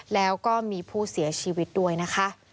แล้วก็มีผู้เสียชีวิตด้วยนะคะ